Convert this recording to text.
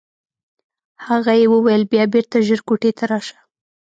هغه یې وویل بیا بېرته ژر کوټې ته راشه.